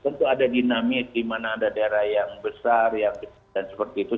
lima ratus tentu ada dinamis di mana ada daerah yang besar yang besar seperti itu